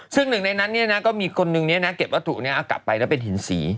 ซึ่งหนึ่งในนั้นเนี่ยนะก็มีคนนึงเนี่ยนะเก็บวัตถุเนี่ยเอากลับไปแล้วเป็นหินสี